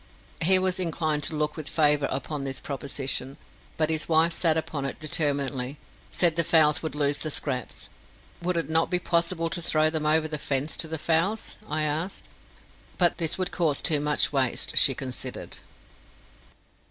He was inclined to look with favour upon this proposition, but his wife sat upon it determinedly said the fowls would lose the scraps. "Would it not be possible to throw them over the fence to the fowls?" I asked; but this would cause too much waste, she considered.